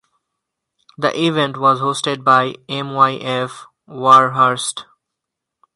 The event was hosted by Myf Warhurst.